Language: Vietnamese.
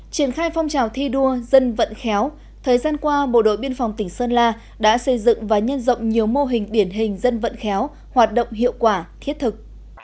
triển khai phong trào thi đua dân vận khéo thời gian qua bộ đội biên phòng tỉnh sơn la đã xây dựng và nhân rộng nhiều mô hình điển hình dân vận khéo hoạt động hiệu quả thiết thực